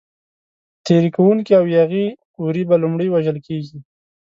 تېري کوونکي او یاغي وري به لومړی وژل کېدل.